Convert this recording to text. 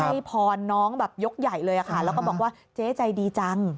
ให้พรน้องแบบยกใหญ่เลยค่ะแล้วก็บอกว่าเจ๊ใจดีจัง